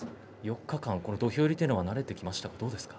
４日間、土俵入りというのは慣れてきましたか。